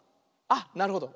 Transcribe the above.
あっなるほど。